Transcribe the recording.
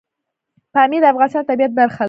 پامیر د افغانستان د طبیعت برخه ده.